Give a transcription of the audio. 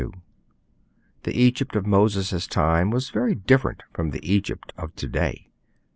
The Egypt of Moses' time was very different from the Egypt of to day.